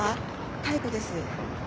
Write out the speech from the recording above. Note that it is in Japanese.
妙子です。